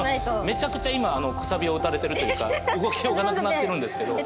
めちゃくちゃ今楔を打たれてるというか動きようがなくなってるんですけど。